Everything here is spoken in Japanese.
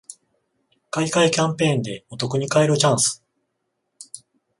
買い換えキャンペーンでお得に買えるチャンス